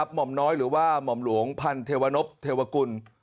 ห่อมน้อยหรือว่าหม่อมหลวงพันเทวนพเทวกุล